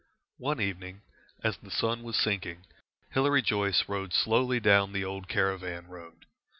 One evening, as the sun was sinking, Hilary Joyce rode slowly down the old caravan road.